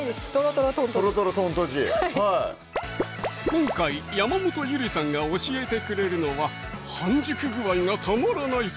今回山本ゆりさんが教えてくれるのは半熟具合がたまらない！